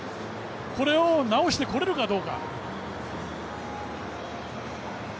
これを直してこれるかどうか。